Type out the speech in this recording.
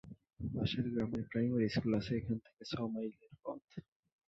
পাশের গ্রামে primary school আছে-এখান থেকে ছ মাইলের পথ।